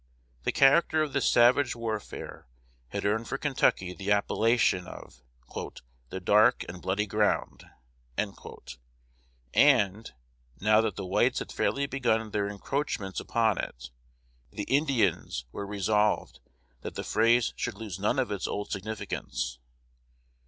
The character of this savage warfare had earned for Kentucky the appellation of "the dark and bloody ground;" and, now that the whites had fairly begun their encroachments upon it, the Indians were resolved that the phrase should lose none of its old significance.